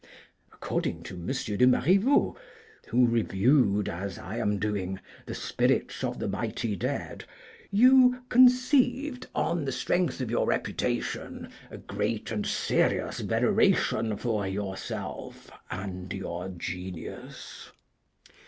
According to M. de Marivaux, who reviewed, as I am doing, the spirits of the mighty dead, you 'conceived, on the strength of your reputation, a great and serious veneration for yourself and your genius.'